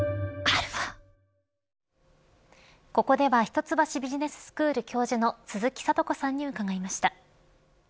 ここでは一橋ビジネススクール教授の鈴木智子さんに伺いました。